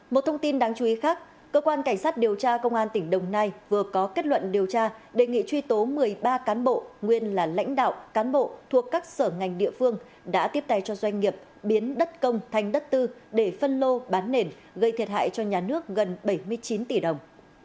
một thông tin đáng chú ý khác cơ quan cảnh sát điều tra công an tỉnh đồng nai vừa có kết luận điều tra đề nghị truy tố một mươi ba cán bộ nguyên là lãnh đạo cán bộ thuộc các sở ngành địa phương đã tiếp tay cho doanh nghiệp biến đất công thành đất tư để phân lô bán nền gây thiệt hại cho nhà nước gần bảy mươi chín tỷ đồng